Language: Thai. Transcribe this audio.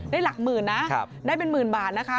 หลักหมื่นนะได้เป็นหมื่นบาทนะคะ